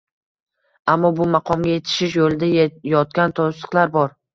Ammo bu maqomga yetishish yo‘lida yotgan to‘siqlar bor